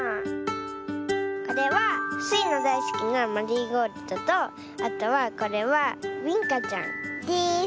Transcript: これはスイのだいすきなマリーゴールドとあとはこれはビンカちゃんです。